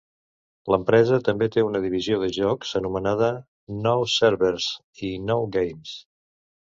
L'empresa també té una divisió de jocs anomenada "Now Servers" i "Now Games".